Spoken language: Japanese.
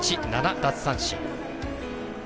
７奪三振。